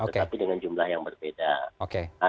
tetapi dengan jumlah yang berbeda